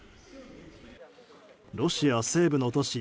ロシア西部の都市